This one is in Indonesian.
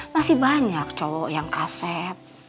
masih banyak cowok yang kaset